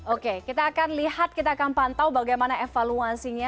oke kita akan lihat kita akan pantau bagaimana evaluasinya